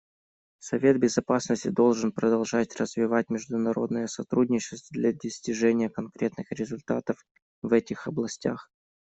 Совет Безопасности должен продолжать развивать международное сотрудничество для достижения конкретных результатов в этих областях.